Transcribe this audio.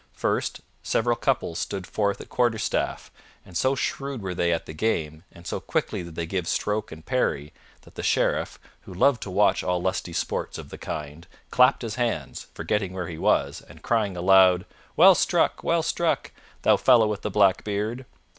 First, several couples stood forth at quarterstaff, and so shrewd were they at the game, and so quickly did they give stroke and parry, that the Sheriff, who loved to watch all lusty sports of the kind, clapped his hands, forgetting where he was, and crying aloud, "Well struck! Well struck, thou fellow with the black beard!"